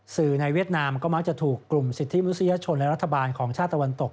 สื่อในเวียดนามก็มักจะถูกกลุ่มสิทธิมูลสิทธิชนและรัฐบาลของชาตาวันตก